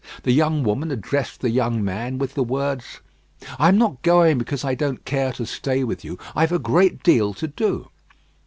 The young woman addressed the young man with the words, "I am not going because I don't care to stay with you: I've a great deal to do."